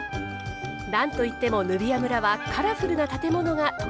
何と言ってもヌビア村はカラフルな建物が特徴です。